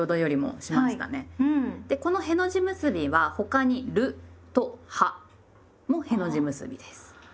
でこの「への字結び」は他に「る」と「は」もへの字結びです。